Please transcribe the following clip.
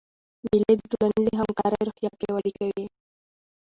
مېلې د ټولنیزي همکارۍ روحیه پیاوړې کوي.